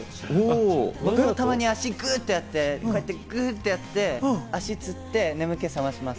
僕もたまに足をグッとやって、足をつって眠気を覚まします。